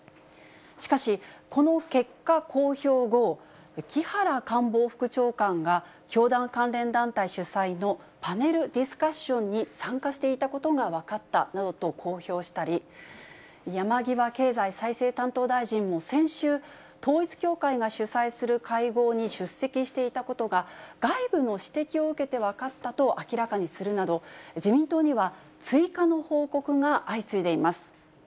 しかし、この結果公表後、木原官房副長官が、教団関連団体主催のパネルディスカッションに参加していたことが分かったなどと公表したり、山際経済再生担当大臣も先週、統一教会が主催する会合に出席していたことが、外部の指摘を受けて分かったと明らかにするなど、自民党には追加の報告が相次いでいます。